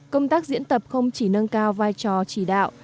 công tác diễn tập không chỉ nâng cao vai trò chỉ đạo